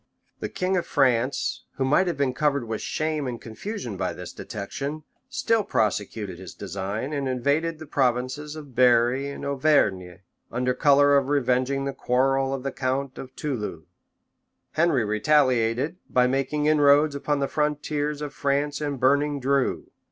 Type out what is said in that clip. The king of France, who might have been covered with shame and confusion by this detection, still prosecuted his design, and invaded the provinces of Berri and Auvergne, under color of revenging the quarrel of the count of Toulouse. Henry retaliated by making inroads upon the frontiers of France and burning Dreux.